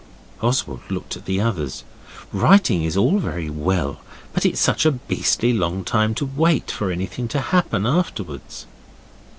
Oswald looked at the others. Writing is all very well, but it's such a beastly long time to wait for anything to happen afterwards.